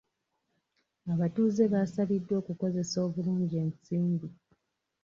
Abatuuze baasabiddwa okukozesa obulungi ensimbi.